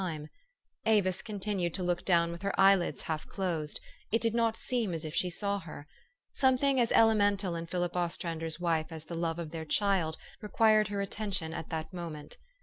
Avis THE STORY OF AVIS. 447 continued to look down with her ej'elids half closed ; it did not seem as if she saw her. Something as elemental in Philip Ostrander's wife as the love of their child, required her attention at that moment.